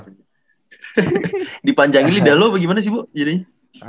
hahaha dipanjangin lidah lu apa gimana sih bu jadinya